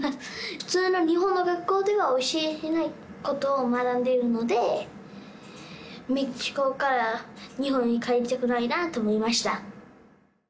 普通の日本の学校では教えてないことを学んでいるので、メキシコから日本に帰りたくないなと思いました。